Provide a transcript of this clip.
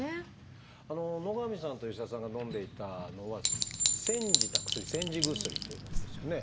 野上さんと吉田さんがのんでいたのは煎じた薬煎じ薬というものですよね。